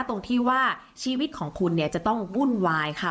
ตรงที่ว่าชีวิตของคุณเนี่ยจะต้องวุ่นวายค่ะ